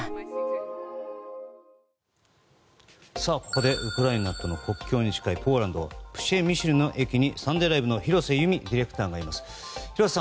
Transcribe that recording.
ここでウクライナとの国境に近いポーランドプシェミシル駅に「サンデーＬＩＶＥ！！」の廣瀬祐美ディレクターがいます。